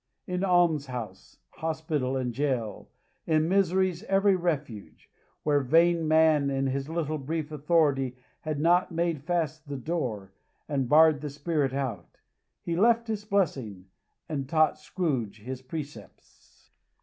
In almshouse, hospital, and jail, in misery's every refuge, where vain man in his little brief authority had not made fast the door, and barred the Spirit out, he left his blessing, and taught Scrooge his precepts.